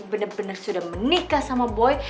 bener bener sudah menikah sama boy